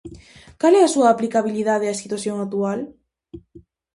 Cal é a súa aplicabilidade á situación actual?